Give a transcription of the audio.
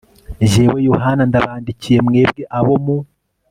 Jyewe Yohana ndabandikiye mwebwe abo mu